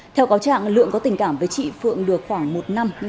theo cáo trạng lượng có tình cảm với chị phượng được khoảng một năm